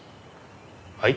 はい？